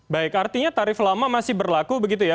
baik artinya tarif lama masih berlaku begitu ya